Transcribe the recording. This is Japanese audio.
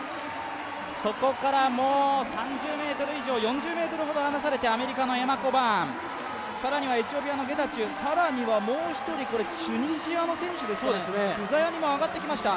そこからもう３０ｍ以上、４０ｍほど離されてアメリカのエマ・コバーン、更にはエチオピアのゲタチュー、さらにはもう一人チュニジアの選手ですかね、上がってきました。